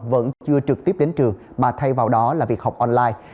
vẫn chưa trực tiếp đến trường mà thay vào đó là việc học online